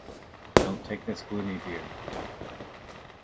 Don't take this gloomy view.